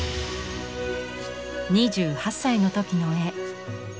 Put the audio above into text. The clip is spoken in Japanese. ２８歳の時の絵。